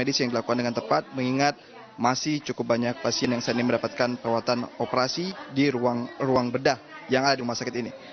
ini dilakukan dengan tepat mengingat masih cukup banyak pasien yang saat ini mendapatkan perawatan operasi di ruang bedah yang ada di rumah sakit ini